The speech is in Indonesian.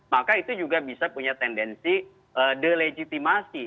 maka itu juga bisa punya tendensi delegitimasi